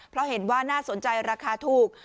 เพราะเห็นว่าน่าสนใจราคาถูก